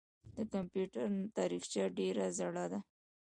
د کمپیوټر تاریخچه ډېره زړه ده.